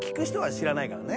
知らないから。